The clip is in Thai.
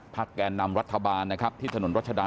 พักแก่นำรัฐบาลนะครับที่ถนนรัชดาพิเศษนะครับ